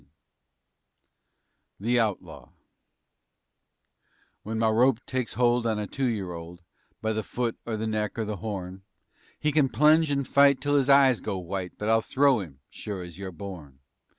"_ THE OUTLAW When my rope takes hold on a two year old, By the foot or the neck or the horn, He kin plunge and fight till his eyes go white But I'll throw him as sure as you're born.